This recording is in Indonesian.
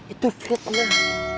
itu fit lah